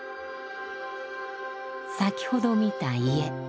先ほど見た家。